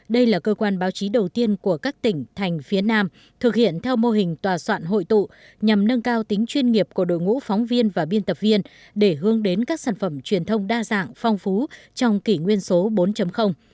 đây là cơ quan báo chí đầu tiên của các tỉnh thành phía nam thực hiện theo mô hình tòa soạn hội tụ nhằm nâng cao tính chuyên nghiệp của đội ngũ phóng viên và biên tập viên để hướng đến các sản phẩm truyền thông đa dạng phong phú trong kỷ nguyên số bốn